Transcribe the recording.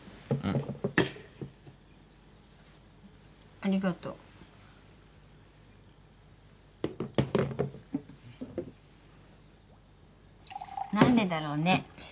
ありがとう。何でだろうね。